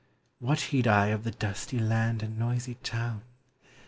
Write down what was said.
What heed I of the dusty land And noisy town?